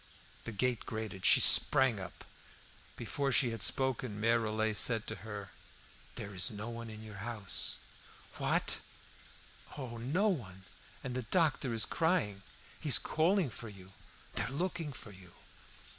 The gate grated; she sprang up. Before she had spoken Mere Rollet said to her "There is no one at your house!" "What?" "Oh, no one! And the doctor is crying. He is calling for you; they're looking for you."